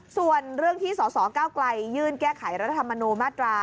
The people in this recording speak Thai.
ส่วนเรื่องที่สสเก้าไกลยื่นแก้ไขรัฐธรรมนูญมาตรา